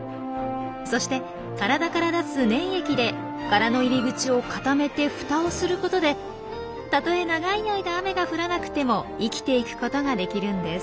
そして体から出す粘液で殻の入り口を固めて蓋をすることでたとえ長い間雨が降らなくても生きていくことができるんです。